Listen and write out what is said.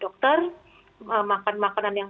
dokter makan makanan yang